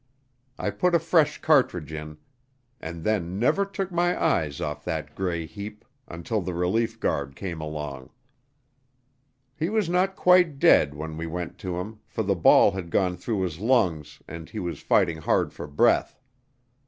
I put a fresh cartridge in, and then never took my eyes off that gray heap until the relief guard came along. He was not quite dead when we went to him, for the ball had gone through his lungs, and he was fighting hard for breath.